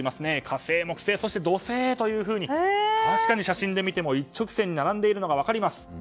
火星、木星、土星というふうに確かに写真で見ても一直線に並んでいるのが分かります。